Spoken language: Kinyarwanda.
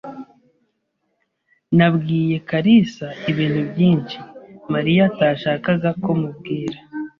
Nabwiye kalisa ibintu byinshi Mariya atashakaga ko mubwira.